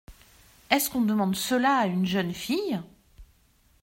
Est-ce qu’on demande cela à une jeune fille ?